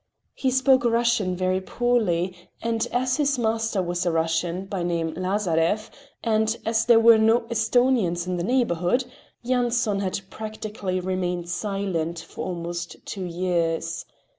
He spoke Russian very poorly, and as his master was a Russian, by name Lazarev, and as there were no Esthonians in the neighborhood, Yanson had practically remained silent for almost two years.